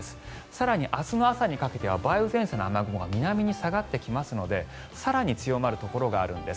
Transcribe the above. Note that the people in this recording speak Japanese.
更に、明日の朝にかけては梅雨前線の雨雲が南に下がってきますので更に強まるところがあるんです。